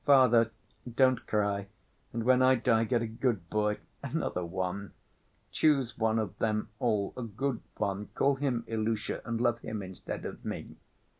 "Father, don't cry, and when I die get a good boy, another one ... choose one of them all, a good one, call him Ilusha and love him instead of me...."